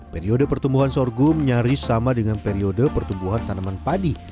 periode pertumbuhan sorghum nyaris sama dengan periode pertumbuhan tanaman padi